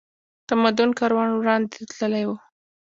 تمدن کاروان وړاندې تللی و